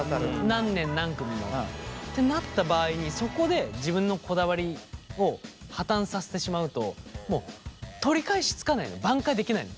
何年何組のってなった場合にそこで自分のこだわりを破綻させてしまうともう取り返しつかないの挽回できないの。